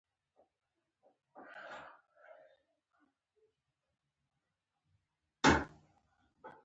د تخم ښه زېرمه د کیفیت تضمین کوي.